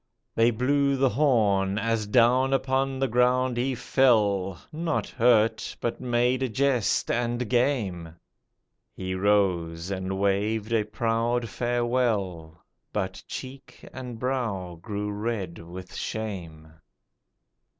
They blew the horn, As down upon the ground he fell, Not hurt, but made a jest and game; He rose, and waved a proud farewell, But cheek and brow grew red with shame.